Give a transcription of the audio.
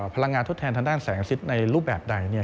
พลังงานทดแทนทางด้านแสงอาทิตย์ในรูปแบบใด